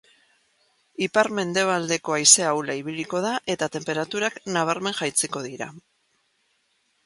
Ipar-mendebaldeko haize ahula ibiliko da eta tenperaturak nabarmen jaitsiko dira.